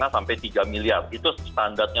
lima sampai tiga miliar itu standarnya